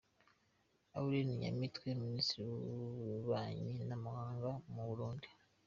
Alain Nyamitwe Minisitiri w’Ububanyi n’Amahanga mu Burundi